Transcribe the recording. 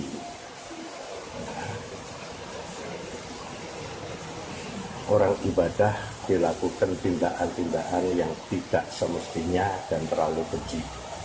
orang ibadah dilakukan tindakan tindakan yang tidak semestinya dan terlalu keji